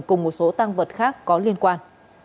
cùng một số tăng vật khác có liên quan